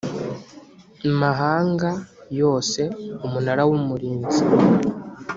mahanga yose umunara w umurinzi